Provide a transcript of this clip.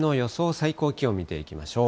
最高気温、見ていきましょう。